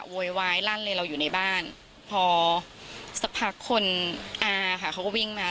โวยวายลั่นเลยเราอยู่ในบ้านพอสักพักคนอาค่ะเขาก็วิ่งมา